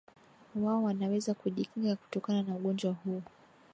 watu wanaweza kujikinga kutokana na ugonjwa huu